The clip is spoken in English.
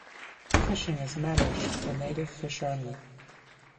Fishing is managed for native fish only.